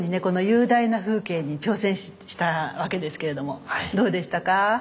この雄大な風景に挑戦したわけですけれどもどうでしたか。